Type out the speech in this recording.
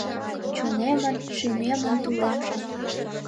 Чонемын, шӱмемын тулемже